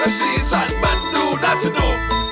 สีสันมันดูน่าสนุก